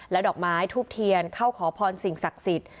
ดอกไม้ทูบเทียนเข้าขอพรสิ่งศักดิ์สิทธิ์